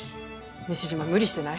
西島無理してない？